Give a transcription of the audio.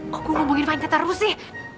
kok gue ngomongin fanya terus sih